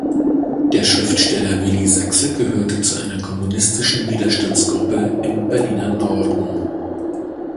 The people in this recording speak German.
Der Schriftsteller Willy Sachse gehörte zu einer kommunistischen Widerstandsgruppe im Berliner Norden.